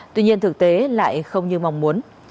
tuy nhiên thực tế lại không như mong muốn